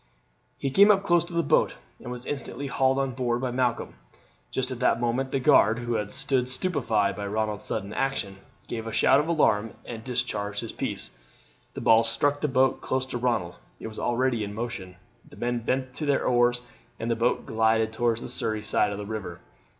He came up close to the boat, and was instantly hauled on board by Malcolm. Just at that moment the guard, who had stood stupefied by Ronald's sudden action, gave a shout of alarm and discharged his piece. The ball struck the boat close to Ronald. It was already in motion; the men bent to their oars, and the boat glided towards the Surrey side of the river.